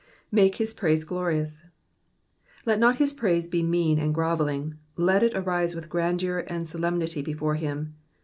''''Make his praise glorious,^^ Let not his praise be mean and grovelling : let it arise with grandeur and solemnity before him.